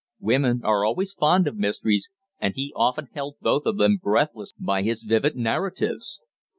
Women are always fond of mysteries, and he often held both of them breathless by his vivid narratives.